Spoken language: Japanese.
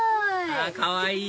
あかわいい！